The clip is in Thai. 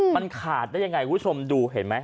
มันขาดได้ยังไงคุณผู้ชมดูเห็นไหม